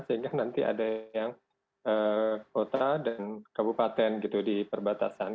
sehingga nanti ada yang kota dan kabupaten gitu di perbatasan